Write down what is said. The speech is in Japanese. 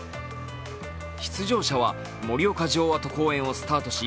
出場者は盛岡城跡公園をスタートし